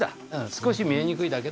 少し見えにくいだけだ。